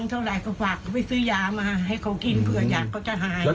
ให้เขากินเผื่ออย่างเขาจะหาย